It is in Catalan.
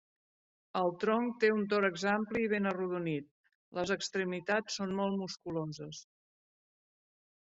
El tronc té un tòrax ampli i ben arrodonit, les extremitats són molt musculoses.